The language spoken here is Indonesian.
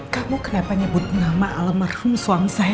kamu kenapa nyebut nama almarhum suami saya